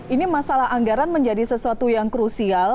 ini masalah anggaran menjadi sesuatu yang krusial